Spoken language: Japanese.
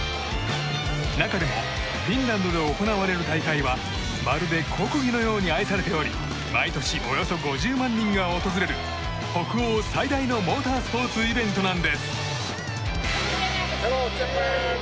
中でもフィンランドで行われる大会はまるで国技のように愛されており毎年およそ５０万人が訪れる北欧最大のモータースポーツイベントなんです。